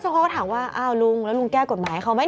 ซึ่งเขาก็ถามว่าอ้าวลุงแล้วลุงแก้กฎหมายเขาไหม